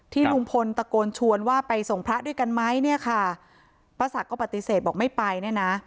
ลุงพลตะโกนชวนว่าไปส่งพระด้วยกันไหมเนี่ยค่ะป้าศักดิ์ก็ปฏิเสธบอกไม่ไปเนี่ยนะ